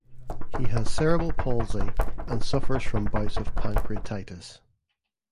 He has cerebral palsy and suffers from bouts of pancreatitis.